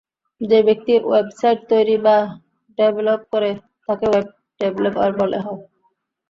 যে ব্যক্তি ওয়েবসাইট তৈরী বা ডেভেলপ করে তাকে ওয়েব ডেভেলপার বলা হয়।